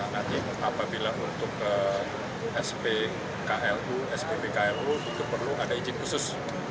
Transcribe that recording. nanti apabila untuk spklu sppklu juga perlu ada izin khusus